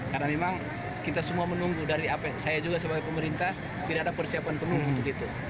karena memang kita semua menunggu dari ap saya juga sebagai pemerintah tidak ada persiapan penuh untuk itu